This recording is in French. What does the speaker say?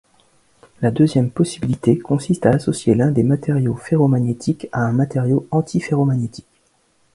La deuxième possibilité, consiste à associer l'un des matériaux ferromagnétiques à un matériau antiferromagnétique.